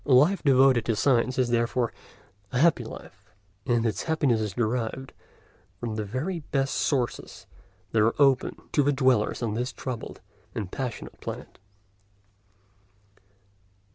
A life devoted to science is therefore a happy life, and its happiness is derived from the very best sources that are open to dwellers on this troubled and passionate planet.